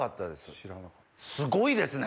すごいですね。